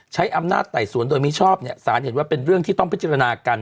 ใช้อำนาจไต่สวนโดยมิชอบเนี่ยสารเห็นว่าเป็นเรื่องที่ต้องพิจารณากัน